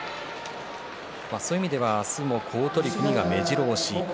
そういう意味では明日も好取組がめじろ押しです。